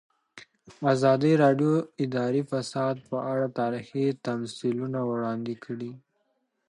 ازادي راډیو د اداري فساد په اړه تاریخي تمثیلونه وړاندې کړي.